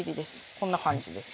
こんな感じです。